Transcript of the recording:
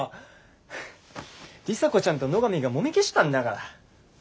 里紗子ちゃんと野上がもみ消したんだから。